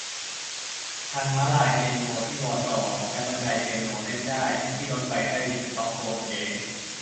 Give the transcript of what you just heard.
ทางม้าลายเปียโนที่ วอร์ซอว์ และบันไดเปียโน เล่นได้ ที่รถไฟใต้ดินสต็อกโฮล์ม เก๋